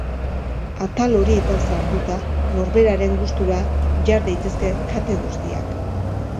Atal horietan sartuta, norberaren gustura jar daitezke kate guztiak.